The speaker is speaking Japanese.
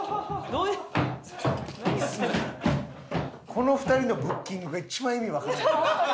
この２人のブッキングが一番意味わからない。